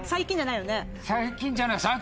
最近じゃないよね？